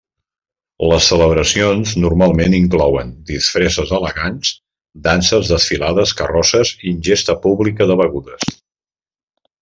Les celebracions normalment inclouen disfresses elegants, danses, desfilades, carrosses i ingesta pública de begudes.